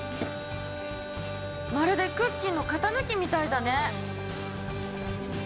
まるでクッキーの型抜きみたいだね。